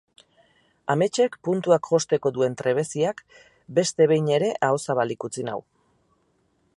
Ametsek puntuak josteko duen trebeziak beste behin ere aho zabalik utzi nau.